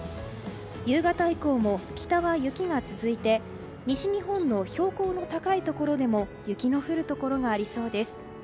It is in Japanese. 夕方以降も北は雪が続いて西日本の標高の高いところでも雪が降るところがありそうです。